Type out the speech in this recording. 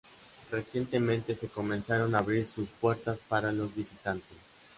Recientemente se comenzaron a abrir sus puertas para los visitantes.